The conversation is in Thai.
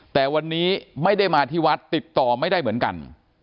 แต่วันนี้ไม่ได้มาที่วัดติดต่อไม่ได้เหมือนกัน